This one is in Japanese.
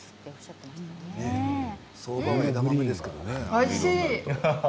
おいしい。